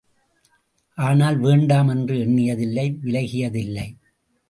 ஆனால் வேண்டாம் என்று எண்ணியதில்லை விலகியதில்லை!